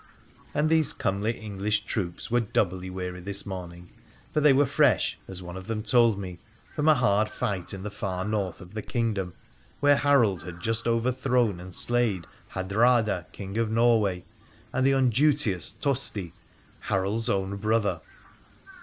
And these comely English troops were doubly weary this morning, for they were fresh, as one of them told me, from a hard fight in the far north of the kingdom, where Harold had just overthrown and slain Har drada, King of Norway, and the unduteous Tosti, Harold's own brother.